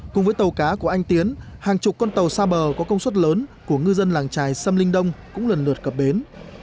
cùng với tàu cá của anh tiến hàng chục con tàu xa bờ có công suất lớn của ngư dân làng trài sâm linh đông cũng lần lượt cập bến